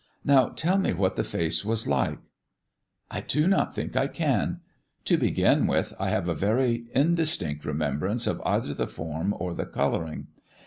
"Now tell me what the face was like." "I do not think I can. To begin with, I have a very indistinct remembrance of either the form or the colouring.